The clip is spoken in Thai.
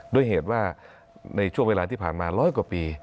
ด้วยเหตุว่าในช่วงเวลาที่ผ่านมาร้อยกว่าปี